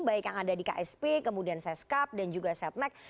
baik yang ada di ksp kemudian seskap dan juga setnek